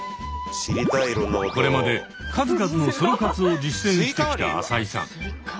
これまで数々のソロ活を実践してきた朝井さん。